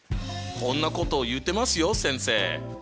こんなこと言ってますよ先生！